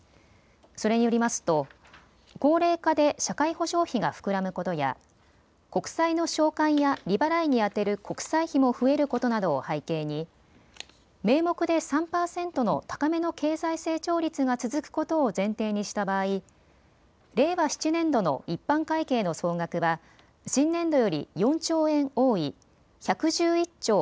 それによりますと高齢化で社会保障費が膨らむことや国債の償還や利払いに充てる国債費も増えることなどを背景に名目で３％の高めの経済成長率が続くことを前提にした場合、令和７年度の一般会計の総額は新年度より４兆円多い１１１兆６０００億